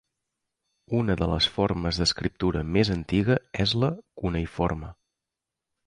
Una de les formes d'escriptura més antiga és la cuneïforme.